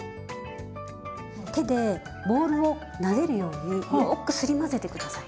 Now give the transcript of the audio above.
手でボウルをなでるようによくすり混ぜて下さい。